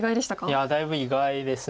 いやだいぶ意外です。